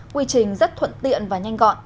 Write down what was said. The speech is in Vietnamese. quy trình rất thuận tiện và nhanh gọn